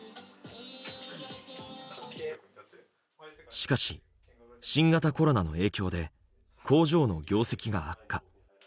しかし新型コロナの影響で工場の業績が悪化。